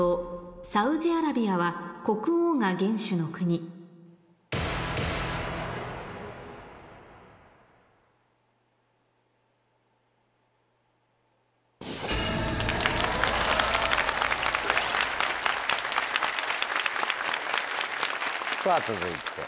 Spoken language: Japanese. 「サウジアラビアは国王が元首の国」さぁ続いて。